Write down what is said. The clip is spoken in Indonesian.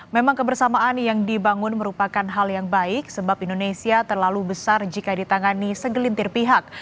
memang kebersamaan yang dibangun merupakan hal yang baik sebab indonesia terlalu besar jika ditangani segelintir pihak